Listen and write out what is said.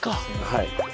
はい。